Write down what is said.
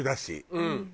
うん。